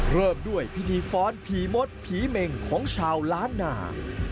เริ่มด้วยพิธีฟ้อนผีมดผีเมงของชาวล้านนา